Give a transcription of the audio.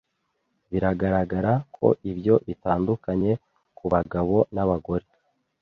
Biragaragara ko ibyo bitandukanye kubagabo nabagore.